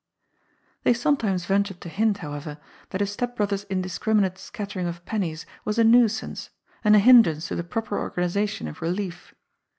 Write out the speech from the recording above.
They sometimes ventured to hint, however, that his step brother's indiscriminate scattering of pennies was a nuisance, and a hindrance to the proper organization of relief.